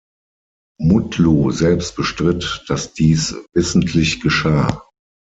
Mutlu selbst bestritt, dass dies wissentlich geschah.